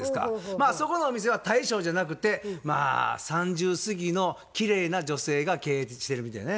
まあそこのお店は大将じゃなくてまあ３０過ぎのきれいな女性が経営してるみたいなね。